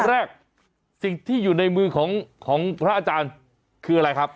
แรกสิ่งที่อยู่ในมือของพระอาจารย์คืออะไรครับ